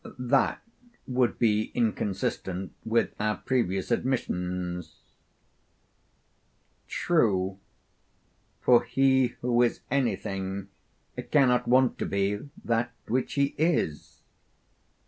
That would be inconsistent with our previous admissions. True. For he who is anything cannot want to be that which he is?